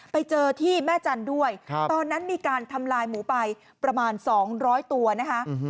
ไปเจอที่แม่จันทร์ด้วยตอนนั้นมีการทำลายหมูไปประมาณ๒๐๐ตัวนะคะ